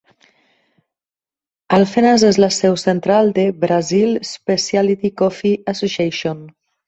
Alfenas és la seu central de Brazil Specialty Coffee Association.